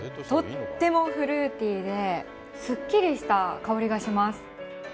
とってもフルーティーで、すっきりした香りがします。